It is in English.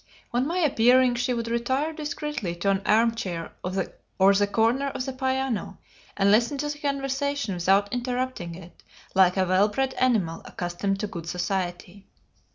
On my appearing she would retire discreetly to an arm chair or the corner of the piano, and listen to the conversation without interrupting it, like a well bred animal accustomed to good society.